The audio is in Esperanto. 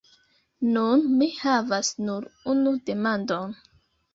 Nun mi havas nur unu demandon.